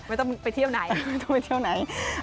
ไม่ต้องไปเที่ยวไหน